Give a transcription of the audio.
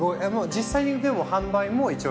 実際にでも販売も一応。